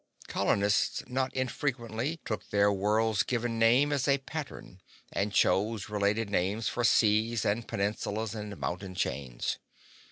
Colonists not infrequently took their world's given name as a pattern and chose related names for seas and peninsulas and mountain chains.